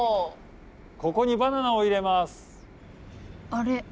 あれ？